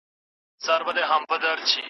د لومړني زده کړې عمومي کول ضروري دی.